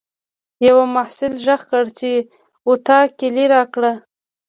یوه محصل غږ کړ چې د اطاق کیلۍ راکړه.